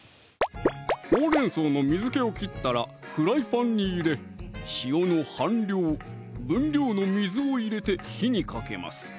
ほうれん草の水気を切ったらフライパンに入れ塩の半量分量の水を入れて火にかけます